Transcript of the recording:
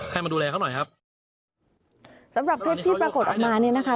มาดูแลเขาหน่อยครับสำหรับคลิปที่ปรากฏออกมาเนี่ยนะคะ